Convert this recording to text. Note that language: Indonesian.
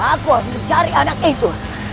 aku harus mencari anak itu